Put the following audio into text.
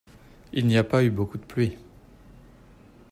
Il n'y a pas eu beaucoup de pluie.